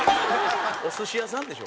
お寿司屋さんでしょ